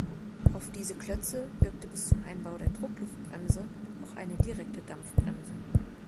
Auf diese Klötze wirkte bis zum Einbau der Druckluftbremse auch eine direkte Dampfbremse.